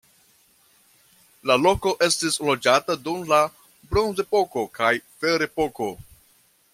La loko estis loĝata dum la bronzepoko kaj ferepoko.